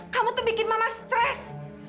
kamu tuh bikin mama stres